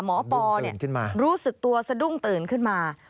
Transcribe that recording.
ปอรู้สึกตัวสะดุ้งตื่นขึ้นมา